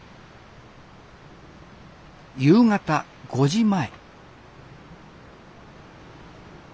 夕方５時前。